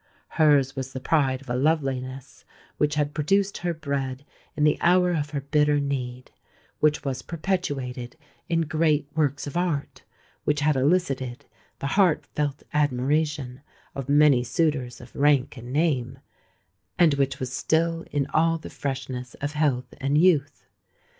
Hers was the pride of a loveliness which had produced her bread in the hour of her bitter need,—which was perpetuated in great works of art,—which had elicited the heart felt admiration of many suitors of rank and name,—and which was still in all the freshness of health and youth.